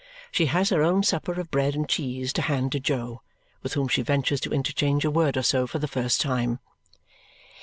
She has her own supper of bread and cheese to hand to Jo, with whom she ventures to interchange a word or so for the first time.